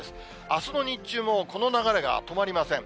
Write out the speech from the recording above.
あすの日中も、この流れが止まりません。